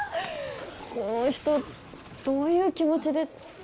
この人どういう気持ちで。